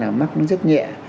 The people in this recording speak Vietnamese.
nên là chúng ta đáp ứng là